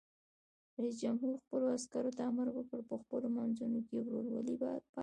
رئیس جمهور خپلو عسکرو ته امر وکړ؛ په خپلو منځو کې ورورولي پالئ!